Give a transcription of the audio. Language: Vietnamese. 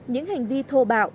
những hành vi thô bạo